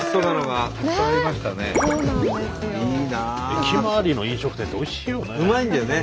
駅周りの飲食店っておいしいよね。